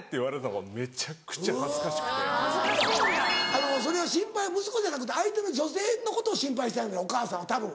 あのそれは心配は息子じゃなくて相手の女性のことを心配してはんねんお母さんはたぶん。